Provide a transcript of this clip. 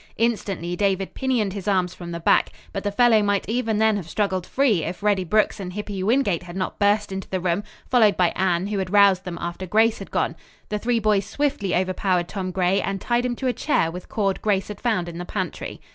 Instantly David pinioned his arms from the back. But the fellow might even then have struggled free, if Reddy Brooks and Hippy Wingate had not burst into the room, followed by Anne, who had roused them after Grace had gone. The three boys swiftly overpowered Tom Gray and tied him to a chair with cord Grace had found in the pantry.